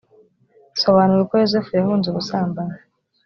sobanura uko yozefu yahunze ubusambanyi